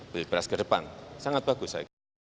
pilpres ke depan sangat bagus